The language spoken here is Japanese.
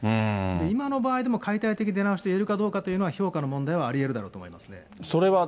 今の場合でも、解体的出直しと言えるかどうかというのは、評価の問題はありえるだろうと思いますね。